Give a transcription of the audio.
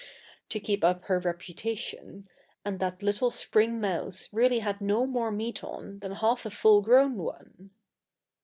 to keep up her reputation, and that little Spring mouse really had no more meat on than half a full grown one.